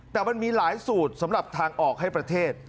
แต่มันมีหลายสูตรสำหรับทางออกให้ประเทศ